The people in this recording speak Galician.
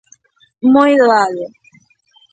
Moi doado.